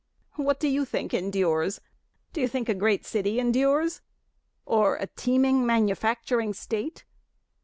What do you think endures? Do you think a great city endures? Or a teeming manufacturing state?